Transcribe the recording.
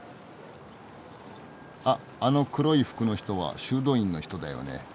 あっあの黒い服の人は修道院の人だよね。